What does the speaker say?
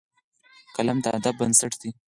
قلم د ادب بنسټ دی